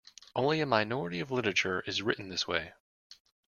Only a minority of literature is written this way.